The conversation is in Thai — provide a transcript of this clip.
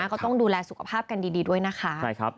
ก็ต้องดูแลสุขภาพกันดีด้วยนะคะ